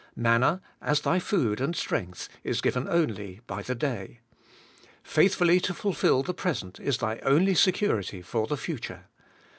Manna, as thy food and strength, is given only by the day; faithfully to fill the present is thy only security for the future.